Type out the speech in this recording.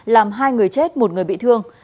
làm hai người chết một người bị thương